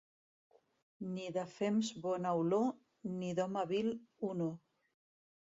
Ni de fems bona olor, ni d'home vil, honor.